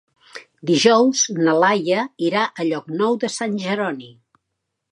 Dijous na Laia irà a Llocnou de Sant Jeroni.